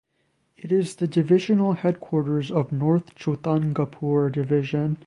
It is the divisional headquarters of North Chotanagpur division.